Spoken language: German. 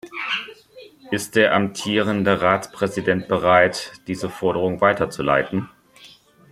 Ist der amtierende Ratspräsident bereit, diese Forderung weiterzuleiten?